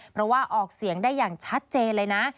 เพราะว่าออกเสียงได้อย่างชัดเจนเลยนะ